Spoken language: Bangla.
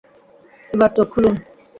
এবার চোখ খুলেন।